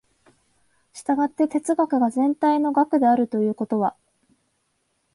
従って哲学が全体の学であるということは、